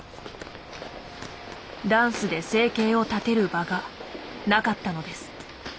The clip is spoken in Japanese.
ダンスで生計を立てる場がなかったのです。